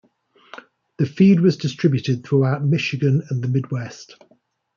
The feed was distributed throughout Michigan and the Midwest.